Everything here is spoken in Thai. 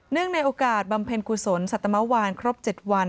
เนื่องในโอกาสบำเพ็ญกุศลสัตว์ธรรมวาลครบ๗วัน